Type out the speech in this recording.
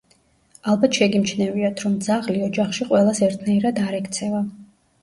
ალბათ შეგიმჩნევიათ, რომ ძაღლი ოჯახში ყველას ერთნაირად არ ექცევა.